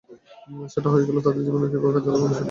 সেটা হয়ে গেলে তাঁদের কীভাবে কাজে লাগানো যায়, সেটা বোঝা যাবে।